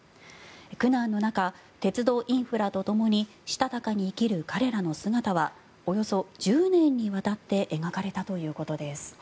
苦難の中、鉄道インフラとともにしたたかに生きる彼らの姿はおよそ１０年にわたって描かれたということです。